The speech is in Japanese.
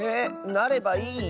なればいい？